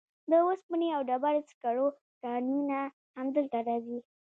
د اوسپنې او ډبرو سکرو کانونه هم دلته راځي.